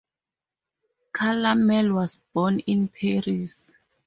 Challamel was born in Paris.